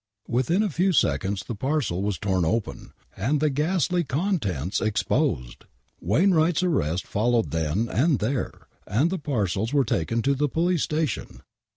Within a few seconds the parcel was torn open ! And tho ghastly contents exposed I 1 Wainwright's arrest followed then and there, and the parcels were taken to the police station.